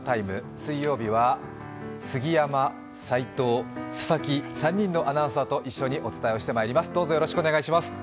水曜日は杉山、齋藤、佐々木、３人のアナウンサーと一緒にお伝えしていきます。